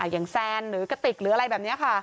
อย่างแซนหรือกระติกหรืออะไรแบบนี้ค่ะ